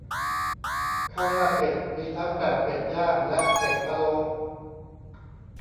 ข้าวหน้าเป็ดมีทั้งแบบเป็ดย่างและเป็ดพะโล้